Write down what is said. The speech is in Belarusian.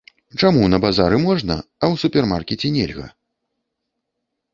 Чаму на базары можна, а ў супермаркеце нельга?